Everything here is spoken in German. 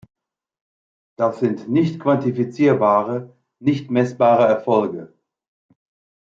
Das sind nicht quantifizierbare, nicht messbare Erfolge.